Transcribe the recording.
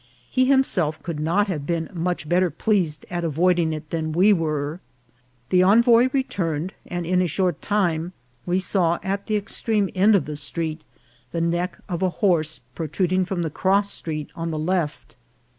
He himself could not have been much better pleased at avoiding it than we were. The envoy returned, and in a short time we saw at the extreme end of the street the neck of a horse protruding from the cross street on the left.